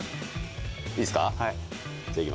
いいですか。